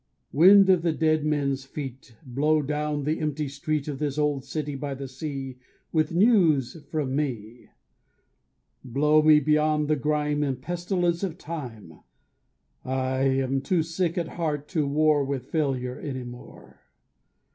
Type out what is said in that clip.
Wind of the dead men's feet, Blow down the empty street Of this old city by the sea With news for me! Blow me beyond the grime And pestilence of time! I am too sick at heart to war With failure any more.